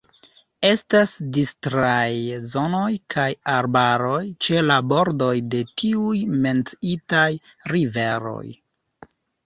Estas distraj zonoj kaj arbaroj ĉe la bordoj de tiuj menciitaj riveroj.